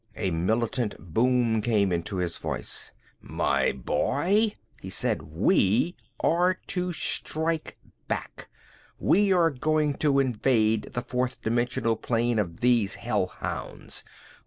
A militant boom came into his voice. "My boy," he said, "we are to strike back. We are going to invade the fourth dimensional plane of these hellhounds.